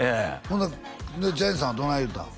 ジャニーさんはどない言うたん？